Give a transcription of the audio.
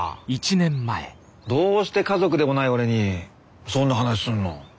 どうして家族でもない俺にそんな話すんの？